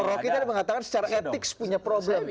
roky tadi mengatakan secara ethics punya problem tadi